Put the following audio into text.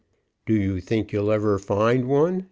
"Do you think you'll ever find one?"